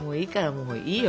もういいよ。